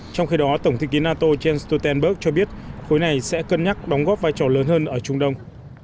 trong khi đó tổng thư ký nato jens stoltenberg cho biết khối này sẽ cân nhắc đóng góp vai trò lớn hơn ở trung đông